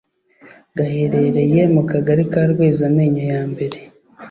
gaherereye mu Kagari ka Rwezamenyo ya I